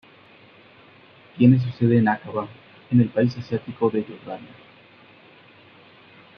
Tiene su sede en Áqaba, en el país asiático de Jordania.